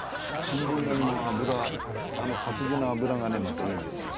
新聞紙の油あの活字の油がねまたいいんですよ。